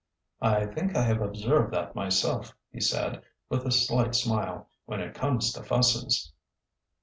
'' I think I have observed that myself," he said, with a slight smile ,— when it comes to fusses.''